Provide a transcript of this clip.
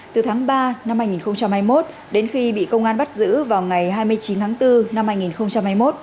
từ tháng ba năm hai nghìn hai mươi một đến khi bị công an bắt giữ vào ngày hai mươi chín tháng bốn năm hai nghìn hai mươi một